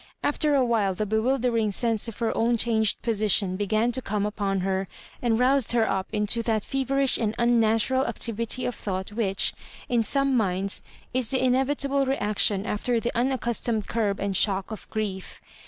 After a while the bewildering sense of her own chaneed position began to come upon her, and roused her up into that feverish and unnatural activity of thought which, in some muids, is the mevitable reaction after the unaccustomed curb and shock of grief.